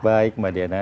baik mbak diana